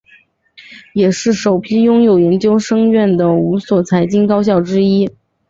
也是首批拥有研究生院的五所财经高校之一。